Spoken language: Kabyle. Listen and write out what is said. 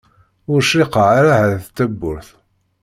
Ur cṛiqeɣ ara ɛad tawwurt.